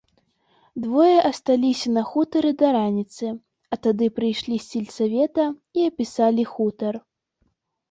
Двое асталіся на хутары да раніцы, а тады прыйшлі з сельсавета і апісалі хутар.